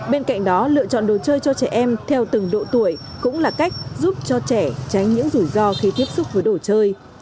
bên cạnh đó lựa chọn đồ chơi cho trẻ em theo từng độ tuổi cũng là cách giúp cho trẻ tránh những rủi ro khi tiếp xúc với đồ chơi